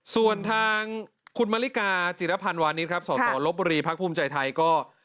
ส่วนทางคุณมริกาจิรพันธ์วานิสครับสสลบบุรีพักภูมิใจไทยก็